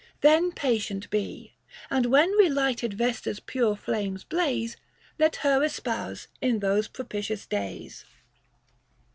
Then patient be, And when Telighted Vesta's pure flames blaze, Let her espouse in those propitious days.